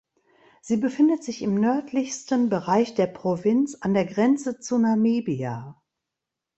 Sie befindet sich im nördlichsten Bereich der Provinz an der Grenze zu Namibia.